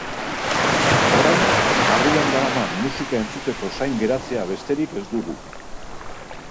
Orain, barruan daraman musika entzuteko zain geratzea besterik ez dugu.